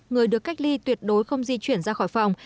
người được cách ly tuyệt đối không di chuyển ra khỏi phòng